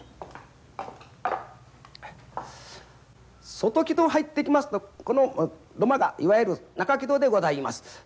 外木戸を入ってきますとこの土間がいわゆる中木戸でございます。